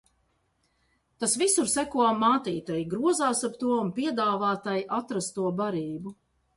Tas visur seko mātītei, grozās ap to un piedāvā tai atrasto barību.